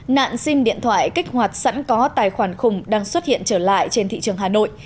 nạn sim điện thoại kích hoạt sẵn có tài khoản khủng đang xuất hiện trở lại trên thị trường hà nội